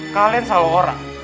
kalian salah orang